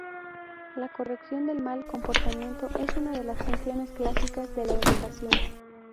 La corrección del mal comportamiento es una de las funciones clásicas de la educación.